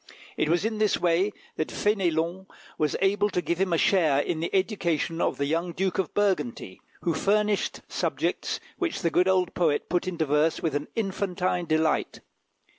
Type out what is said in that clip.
It was in this way that Fénélon was able to give him a share in the education of the young Duke of Burgundy, who furnished subjects which the good old poet put into verse with an infantine delight.